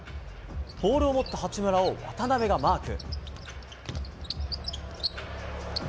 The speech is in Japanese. ボールを持った八村を渡邊がマーク。